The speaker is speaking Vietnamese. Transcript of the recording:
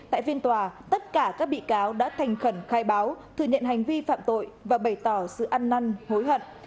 tại phiên tòa tất cả các bị cáo đã thành khẩn khai báo thừa nhận hành vi phạm tội và bày tỏ sự ăn năn hối hận